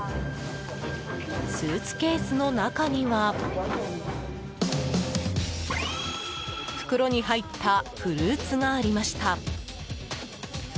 スーツケースの中には袋に入ったフルーツがありました。